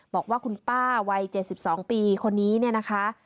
บอกว่าคุณป้าวัย๗๒ปีคนนี้เนี่ยนะคะ